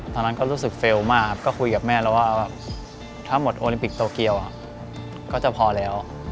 ตอนนั้นก็รู้สึกเฟลล์มากครับก็คุยกับแม่แล้วว่าถ้าหมดโอลิมปิกโตเกียวก็จะพอแล้ว